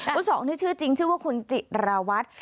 คุณสองนี่ชื่อจริงชื่อว่าคุณจิราวัตร